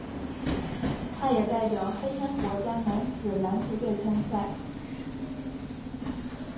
他也代表黑山国家男子篮球队参赛。